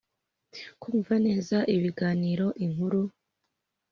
kumva neza ibiganiro, inkuru,